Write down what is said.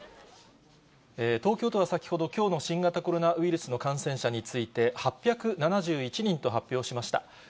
東京都は先ほど、きょうの新型コロナウイルスの感染者について、８７１人と発表しました。